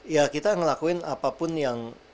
ya kita ngelakuin apapun yang